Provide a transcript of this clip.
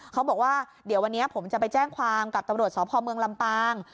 เขาบอกว่าเดี๋ยววันนี้ผมจะไปแจ้งความกับตำรวจสพเมืองลำปาง